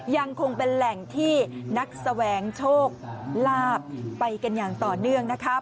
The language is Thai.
ยังคงเป็นแหล่งที่นักแสวงโชคลาภไปกันอย่างต่อเนื่องนะคะ